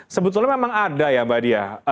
sebetulnya memang ada ya mbak dia